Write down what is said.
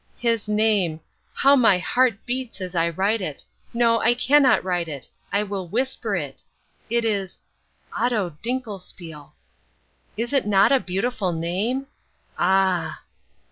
His name—. How my heart beats as I write it—no, I cannot write it, I will whisper it—it is Otto Dinkelspiel. Is it not a beautiful name? Ah!